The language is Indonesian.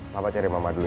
mama cari mama dulu ya